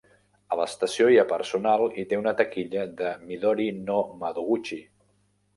A l'estació hi ha personal i té una taquilla de "Midori no Madoguchi".